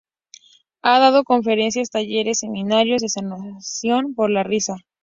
Ha dado conferencias, talleres, seminarios de sanación por la risa.